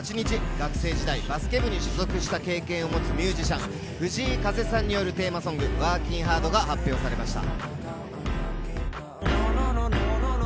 学生時代、バスケ部に所属した経験を持つミュージシャン、藤井風さんによるテーマソング『Ｗｏｒｋｉｎ’Ｈａｒｄ』が発表されました。